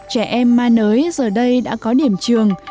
trẻ em ma nới giờ đây đã có điểm trường